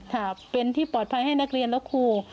ค่ะเป็นที่ปลอดภัยให้นักเรียนและครู